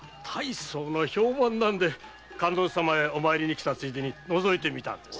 評判なんで観音様へお参りに来たついでにのぞいてみたんです。